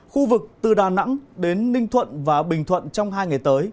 khu vực từ đà nẵng đến ninh thuận và bình thuận trong hai ngày tới